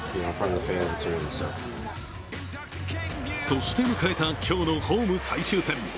そして迎えた今日のホーム最終戦。